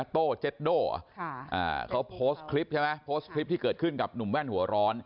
ต้อเจ็ตโด่เขาโพสต์ที่เกิดขึ้นกับหนุ่มแว่นหัวร้อน